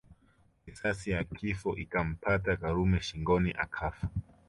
Risasi ya kifo ikampata Karume shingoni akafa